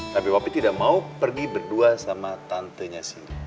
tapi papi tidak mau pergi berdua sama tantenya cindy